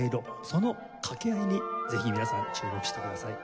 その掛け合いにぜひ皆さん注目してください。